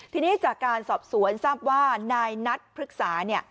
ทีนี้จากการสอบสวนทราบว่านายนัทพฤกษา